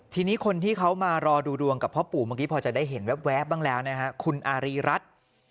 ที่นี้คนที่เขามารอดูดวงกับพ่อปู่คุณอารีรัฐ